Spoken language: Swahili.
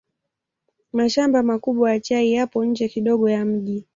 Mashamba makubwa ya chai yapo nje kidogo ya mji.